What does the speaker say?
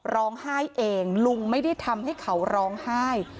ร้องไห้เองลุงไม่ได้ทำให้เขาร้องไห้